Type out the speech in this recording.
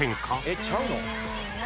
えっちゃうの？